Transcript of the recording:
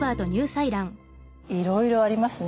いろいろありますね。